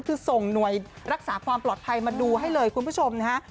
คือส่งหน่วยรักษาความปลอดภัยมาดูให้เลยคุณผู้ชมนะฮะ